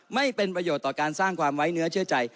ไม่เป็นประโยชน์ต่อการสร้างความไว้เนื้อเชื่อใจ